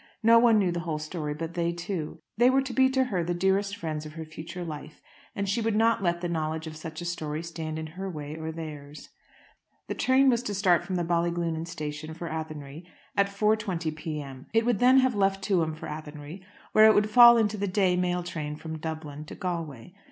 No one knew the whole story but they two. They were to be to her the dearest friends of her future life, and she would not let the knowledge of such a story stand in her way or theirs. The train was to start from the Ballyglunin station for Athenry at 4.20 p.m. It would then have left Tuam for Athenry, where it would fall into the day mail train from Dublin to Galway.